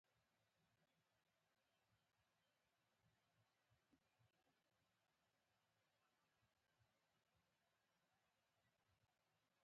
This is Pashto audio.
بوټونه که نه وي، پښې خراشانېږي.